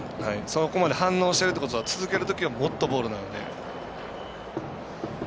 そこまで反応してるということは続けるときはもっとボールなので。